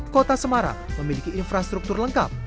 kota semarang memiliki infrastruktur lengkap